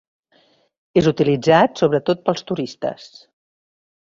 És utilitzat sobretot pels turistes.